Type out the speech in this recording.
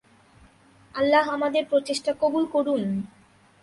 আল্লাহ আমাদের প্রচেষ্টা কবুল করুন!